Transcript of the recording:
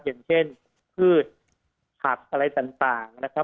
อย่างเช่นพืชผักอะไรต่างนะครับ